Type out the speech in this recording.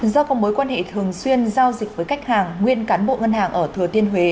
do công bối quan hệ thường xuyên giao dịch với khách hàng nguyên cán bộ ngân hàng ở thừa tiên huế